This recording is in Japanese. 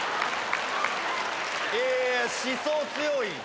え思想強い。